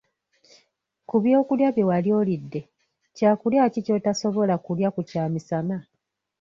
Ku byokulya bye wali olidde, kyakulya ki ky’otasobola kulya ku kyamisana?